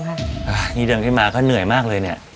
อันนี้เดินขึ้นมาก็เหนื่อยมากเลยเนี่ย